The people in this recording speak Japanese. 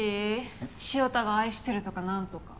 潮田が愛してるとかなんとか。